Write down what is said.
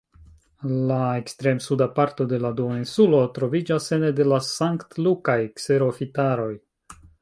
La ekstrem-suda parto de la duoninsulo troviĝas ene de la sankt-lukaj kserofitaroj.